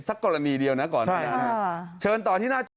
สักกรณีเดียวนะครับ